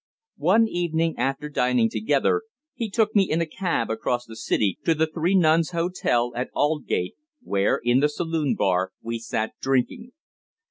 One evening, after dining together, he took me in a cab across the City to the Three Nuns Hotel, at Aldgate where, in the saloon bar, we sat drinking.